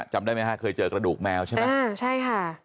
จำได้ไหมฮะเคยเจอกระดูกแมวใช่ไหมอ่าใช่ค่ะ